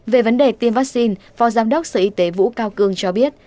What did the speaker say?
về vấn đề tiêm vaccine phó giám đốc sở y tế vũ cao cương cho biết